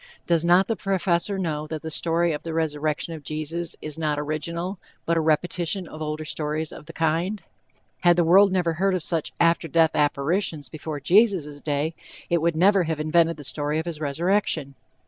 Does not the Professor know that the story of the resurrection of Jesus is not original, but a repetition of older stories of the kind? Had the world never heard of such after death apparitions before Jesus' day, it would never have invented the story of his resurrection.